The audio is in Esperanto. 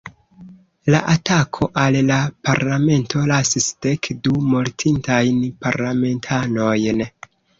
La atako al la Parlamento lasis dek du mortintajn parlamentanojn.